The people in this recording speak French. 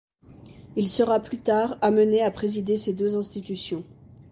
Il sera plus tard amené à présider ces deux institutions.